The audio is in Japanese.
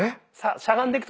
しゃがんでく